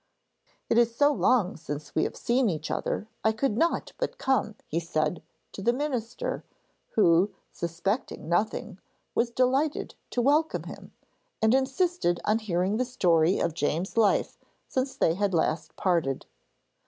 'It is so long since we have seen each other, I could not but come,' he said to the minister, who, suspecting nothing, was delighted to welcome him, and insisted on hearing the story of James's life since they had last parted.